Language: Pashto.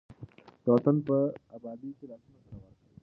د وطن په ابادۍ کې لاسونه سره ورکړئ.